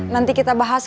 nanti kita bahas